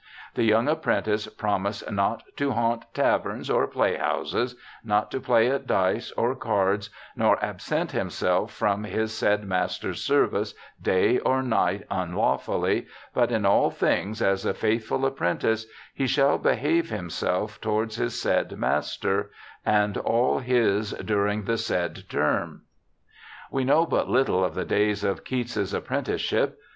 The young apprentice promised not ' to haunt taverns or playhouses, not to play at dice or cards, nor absent himself from his said master's service day or night unlawfully, but in all things as a faithful apprentice he shall behave himself 40 BIOGRAPHICAL ESSAYS towards his said master and all his during the said term '. We know but little of the days of Keats's apprentice ship.